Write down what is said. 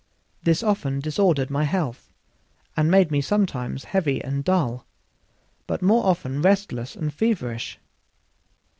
This often disordered my health, and made me sometimes heavy and dull, but more often restless and feverish.